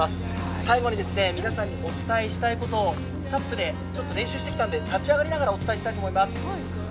最後に皆さんにお伝えしたいことをＳＵＰで練習してきたので、立ち上がりながらお伝えしたいと思います。